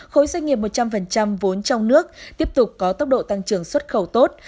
khối doanh nghiệp một trăm linh vốn trong nước tiếp tục có tốc độ tăng trưởng xuất khẩu tốt